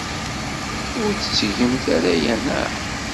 Ur tettgemt ara aya, naɣ?